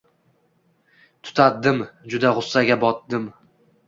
Tutatdim juda g‘ussaga botdim.